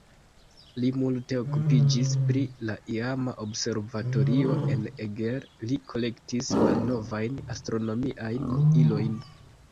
Li multe okupiĝis pri la iama observatorio en Eger, li kolektis malnovajn astronomiajn ilojn.